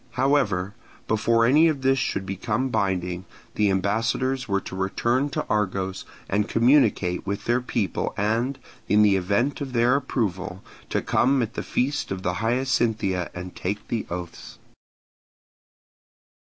However, before any of this should become binding, the ambassadors were to return to Argos and communicate with their people and, in the event of their approval, to come at the feast of the Hyacinthia and take the oaths.